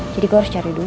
jadi gue harus cari dulu